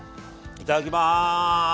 いただきます！